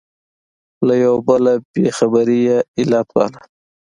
له یوه بله بې خبري یې علت باله.